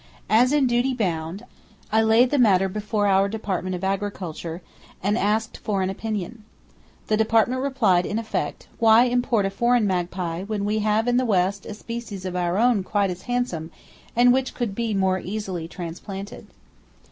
As in duty bound, I laid the matter before our Department of Agriculture, and asked for an opinion. The Department replied, in effect, "Why import a foreign magpie when we have in the West a species of our own quite as handsome, and which could more easily be transplanted?"